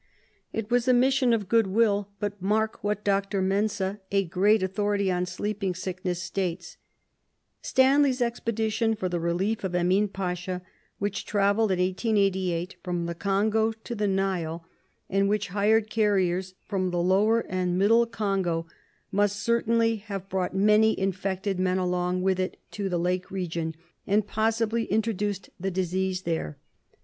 It was a mission of goodwill, but mark what Dr. Mense, a great authority on sleeping sickness, states: — "Stanley's expedi tion for the relief of Emin Pasha, which travelled in 1888 from the Congo to the Nile, and which hired carriers from the Lower and Middle Congo, must certainly have brought many infected men along with it to the Lake region, and possibly introduced the disease there.